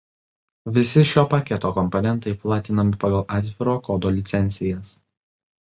Visi šio paketo komponentai platinami pagal atviro kodo licencijas.